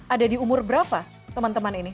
ada di umur berapa teman teman ini